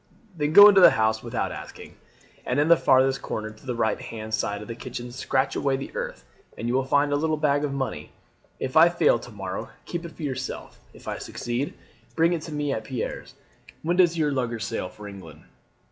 "Then go into the house without asking, and in the farthest corner to the right hand side of the kitchen scratch away the earth, and you will find a little bag of money. If I fail to morrow, keep it for yourself; if I succeed, bring it to me at Pierre's. When does your lugger sail for England?"